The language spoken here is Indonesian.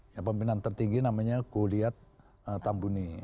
yang peminan tertinggi namanya goliad tambuni